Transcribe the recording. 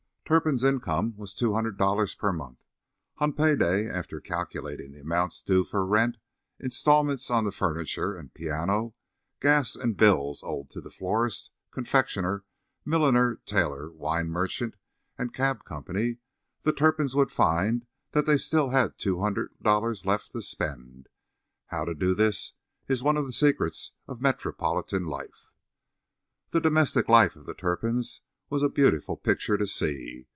Turpin's income was $200 per month. On pay day, after calculating the amounts due for rent, instalments on furniture and piano, gas, and bills owed to the florist, confectioner, milliner, tailor, wine merchant and cab company, the Turpins would find that they still had $200 left to spend. How to do this is one of the secrets of metropolitan life. The domestic life of the Turpins was a beautiful picture to see.